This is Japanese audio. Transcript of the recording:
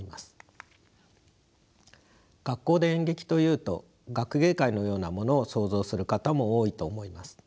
学校で演劇というと学芸会のようなものを想像する方も多いと思います。